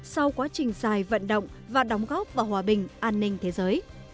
sau quá trình dài vận động và đóng góp vào hòa bình an ninh thế giới